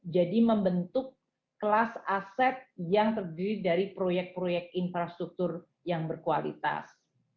jadi membentuk kelas aset yang terdiri dari proyek proyek infrastruktur yang berkualitas